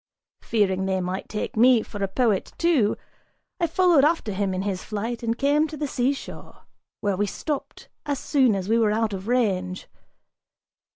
Fearing they might take me for a poet, too, I followed after him in his flight and came to the seashore, where we stopped as soon as we were out of range.